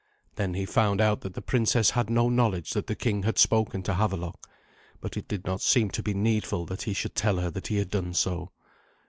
Then he found out that the princess had no knowledge that the king had spoken to Havelok, but it did not seem to be needful that he should tell her that he had done so.